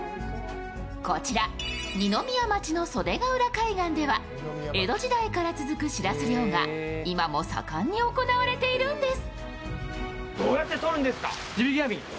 こちら、二宮町の袖が浦海岸では江戸時代から続くしらす漁が今も盛んに行われているんです。